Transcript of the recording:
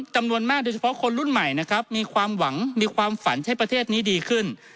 จำนวนมากโดยเฉพาะคนรุ่นใหม่นะครับมีความหวังมีความฝันให้ประเทศนี้ดีขึ้น